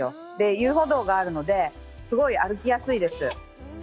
遊歩道があるのですごい歩きやすいです。